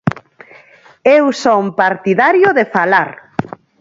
Eu son partidario de falar.